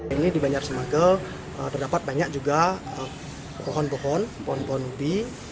ini di banjar semagel terdapat banyak juga pohon pohon pohon pohon pohon bi